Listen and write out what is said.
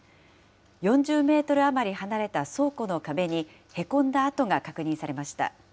４０メートル余り離れた倉庫の壁にへこんだ痕が確認されました。